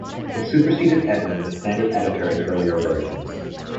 It superseded edlin, the standard editor in earlier versions.